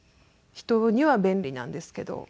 人には便利なんですけど。